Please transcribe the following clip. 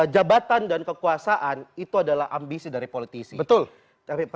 jabatan dan kekuasaan itu adalah ambisi dari politisi